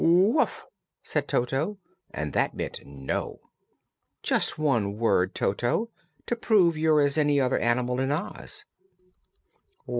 "Woof!" said Toto, and that meant "no." "Not just one word, Toto, to prove you're as any other animal in Oz?"